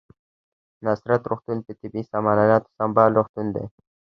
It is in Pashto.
نصرت روغتون په طبي سامان الاتو سمبال روغتون دی